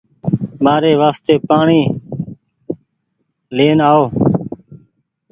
مآري وآستي پآڻيٚ آئو